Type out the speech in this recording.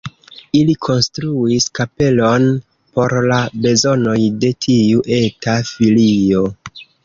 Ili konstruis kapelon por la bezonoj de tiu eta filio.